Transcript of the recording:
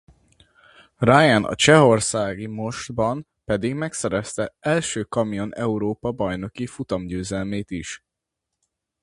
Ryan a csehországi Most-ban pedig megszerezte első Kamion Európa-bajnoki futamgyőzelmét is.